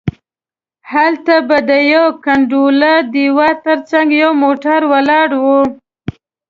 هلته به د یوه کنډواله دیوال تر څنګه یو موټر ولاړ وي.